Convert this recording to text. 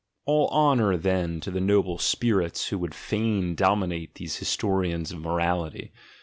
All honour, then, to the noble spirits who would fain dominate these historians of morality.